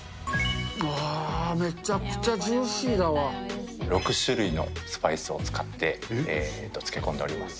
うわー、めちゃくちゃジュー６種類のスパイスを使って漬け込んでおります。